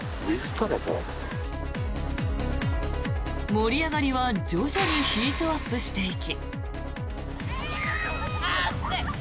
盛り上がりは徐々にヒートアップしていき。